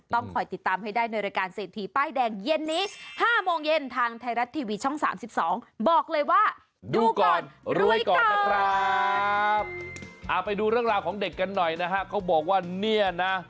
ต้องคอยติดตามให้ได้ในรายการเศรษฐีป้ายแดงเย็นนี้